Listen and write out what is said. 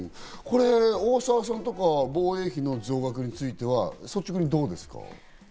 これ、大沢さんとか防衛費の増額については率直にどうですか？